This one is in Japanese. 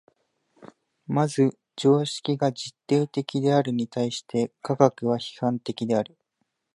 まず常識が実定的であるに対して科学は批判的である。